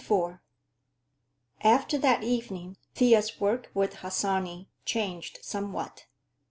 IV After that evening Thea's work with Harsanyi changed somewhat.